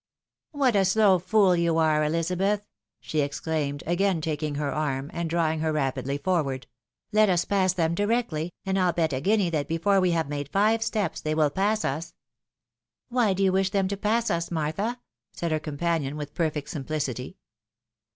" What a slow fool you are, Elizabeth !'' she exclaimed, again taking her arm, and drawing her rapidly forward ; "let us pass them directly, and I'll bet a guinea that before we have made five steps, they will pass us." " Why do you wish them to pass us, Martha? " said her companion with perfect simplicity.